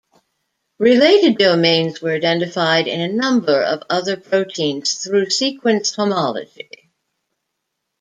Related domains were identified in a number of other proteins through sequence homology.